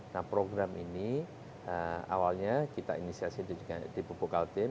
nah program ini awalnya kita inisiasi di bupuk altim